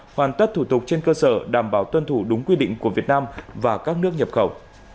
hoàn tất thủ tục trên cơ sở đảm bảo tuân thủ đúng quy định của việt nam và các nước nhập khẩu